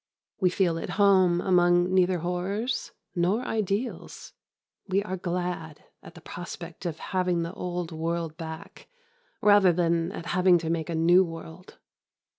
We feel at home among neither horrors nor ideals. We are glad at the prospect of having the old world back rather than at having to make a new world.